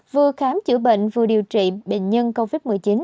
vừa khám chữa bệnh vừa điều trị bệnh nhân covid một mươi chín